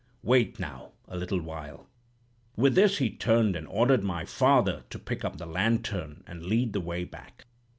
Wait, now, a little while.' "With this he turned and ordered my father to pick up the lantern, and lead the way back.